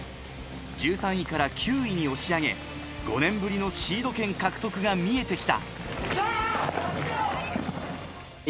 １３位から９位に押し上げ、５年ぶりのシード権獲得が見えてきた。